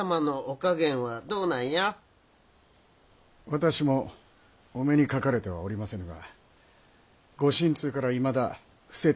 私もお目にかかれてはおりませぬがご心痛からいまだ伏せっておいでと。